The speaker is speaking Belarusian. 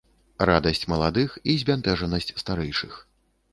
Радасць маладых і збянтэжанасць старэйшых.